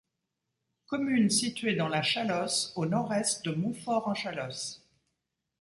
Commune située dans la Chalosse au nord-est de Montfort-en-Chalosse.